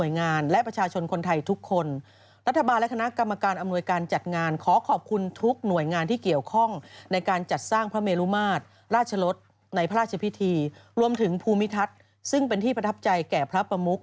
ในพระราชพิธีรวมถึงภูมิทัศน์ซึ่งเป็นที่ประทับใจแก่พระประมุก